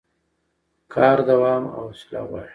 کار دوام او حوصله غواړي